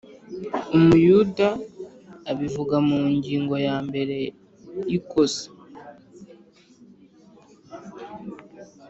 Umuyuda abivuga mungingo ya mbere yikosa